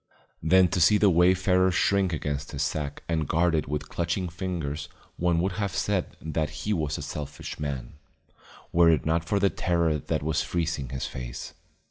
Then to see the wayfarer shrink against his sack and guard it with clutching fingers one would have said that he was a selfish man, were it not for the terror that was freezing his face.